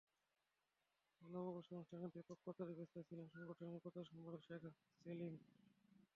নববর্ষ অনুষ্ঠানের ব্যাপক প্রচারে ব্যস্ত ছিলেন সংগঠনের প্রচার সম্পাদক শেখ সেলিম।